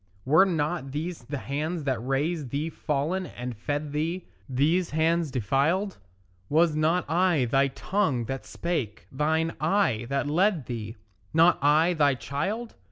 Were not these the hands that raised thee fallen and fed thee, These hands defiled? Was not I thy tongue that spake, thine eye that led thee, Not I thy child?